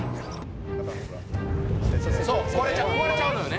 「そう壊れちゃうのよね」